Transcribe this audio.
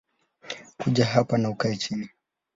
Kuja hapa na ukae chini